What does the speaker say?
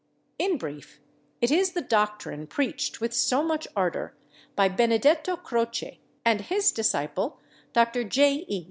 In brief, it is the doctrine preached with so much ardor by Benedetto Croce and his disciple, Dr. J. E.